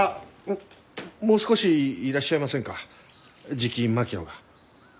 じき槙野が。